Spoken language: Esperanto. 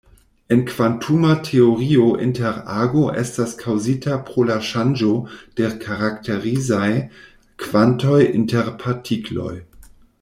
En kvantuma teorio, interago estas kaŭzita pro la ŝanĝo de karakterizaj kvantoj inter partikloj.